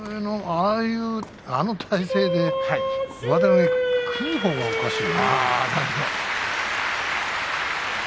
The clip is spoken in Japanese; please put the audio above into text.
あの体勢で上手投げ、食うほうがおかしいよね。